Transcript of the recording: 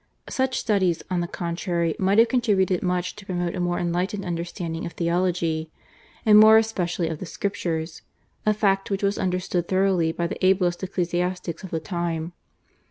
Such studies, on the contrary, might have contributed much to promote a more enlightened understanding of theology, and more especially of the Scriptures, a fact which was understood thoroughly by the ablest ecclesiastics of the time.